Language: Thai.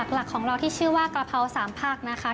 หลักของเราที่ชื่อว่ากระเพรา๓ผักนะคะ